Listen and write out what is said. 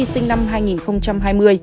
sinh năm hai nghìn hai mươi